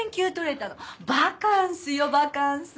バカンスよバカンス。